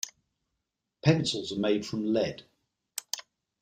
Pencils are made from lead.